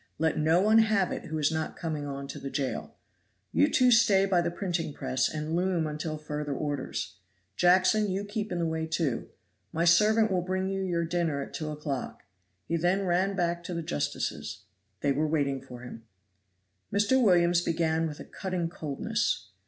Let no one have it who is not coming on to the jail. You two stay by the printing press and loom till further orders. Jackson, you keep in the way, too. My servant will bring you your dinner at two o'clock." He then ran back to the justices. They were waiting for him. Mr. Williams began with a cutting coldness.